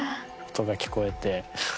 音が聞こえて。